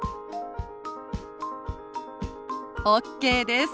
ＯＫです。